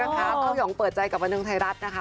เข้าหย่องเปิดใจกับวันนึงไทยรัฐนะคะ